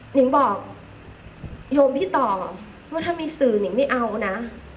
นิงบอกโยมพี่ต่อว่าถ้ามีสื่อนิงไม่เอานะ